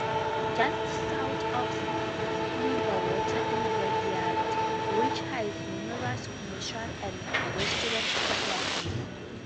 Just south of Silverwater is Red Yard, which has numerous commercial and restaurant complexes.